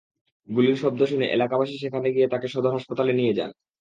গুলির শব্দ শুনে এলাকাবাসী সেখানে গিয়ে তাকে সদর হাসপাতালে নিয়ে যান।